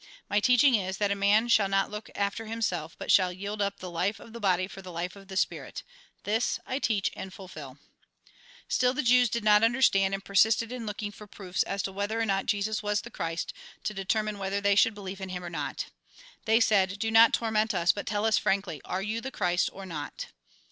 My teaching is, that a man shall not look after himself, but shall yield up the life of the body for the life of the spirit. This I teach and fulfil." Still the Jews did not understand, and persisted in looking for proofs as to whether or not Jesus was the Christ, to determine whether they should believe in him or not. They said :" Do not torment us, but tell us frankly, are you the Christ, or not